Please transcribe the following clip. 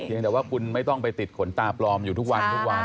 ยังแต่ว่าคุณไม่ต้องไปติดขนตาปลอมอยู่ทุกวันทุกวัน